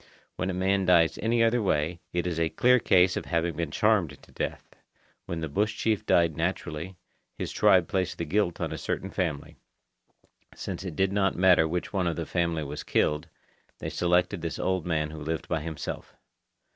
When a man dies in any other way, it is a clear case of having been charmed to death. When the bush chief died naturally, his tribe placed the guilt on a certain family. Since it did not matter which one of the family was killed, they selected this old man who lived by himself.